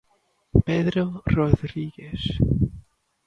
Pedro Rodríguez.